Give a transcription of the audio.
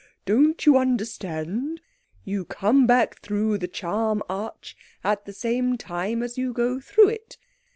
Don't you understand? You come back through the charm arch at the same time as you go through it.